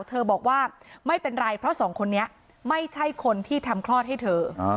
เธอบอกว่าไม่เป็นไรเพราะสองคนนี้ไม่ใช่คนที่ทำคลอดให้เธอ